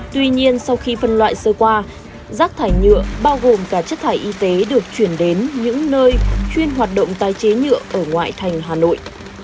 tuy nhiên sau khi phân loại sơ qua rác thải nhựa bao gồm cả chất thải y tế được chuyển đến những nơi chuyên hoạt động tái chế nhựa ở ngoại thành hà nội